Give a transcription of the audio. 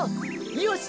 よし！